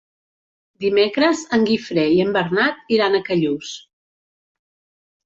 Dimecres en Guifré i en Bernat iran a Callús.